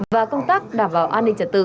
và công tác đảm bảo an ninh trật tự